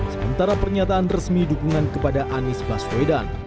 sementara pernyataan resmi dukungan kepada anies baswedan